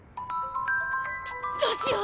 どどうしよう！